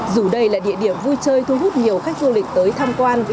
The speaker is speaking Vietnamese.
dù đây là địa điểm vui chơi thu hút nhiều khách du lịch tới tham quan